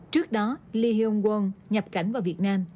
trước đó lee hee yong kwon nhập cảnh vào việt nam